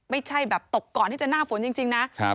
ไม่ใช่แบบตกก่อนที่จะหน้าฝนจริงนะ